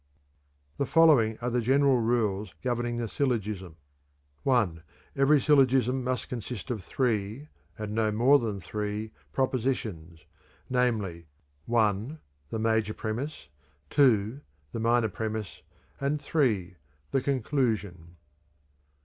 The following are the general rules governing the syllogism: I. Every syllogism must consist of three, and no more than three, propositions, namely (1) the major premise, (2) the minor premise, and (3) the conclusion.